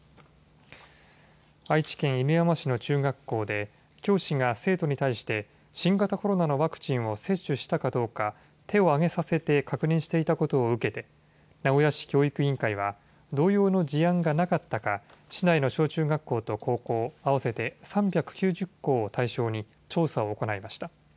愛知県犬山市の中学校で、教師が生徒に対して、新型コロナのワクチンを接種したかどうか、手を挙げさせて確認していたことを受けて、名古屋市教育委員会は、同様の事案がなかったか、市内の小中学校と高校合わせて３９０校を対象に調査を行いました。